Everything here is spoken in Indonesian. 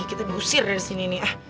kita gusir dari sini nih ah